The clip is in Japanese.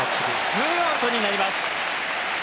ツーアウトになりました。